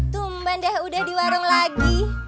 tumban deh udah di warung lagi